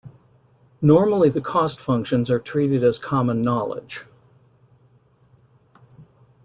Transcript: Normally the cost functions are treated as common knowledge.